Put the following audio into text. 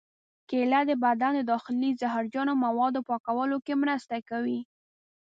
کېله د بدن د داخلي زهرجنو موادو پاکولو کې مرسته کوي.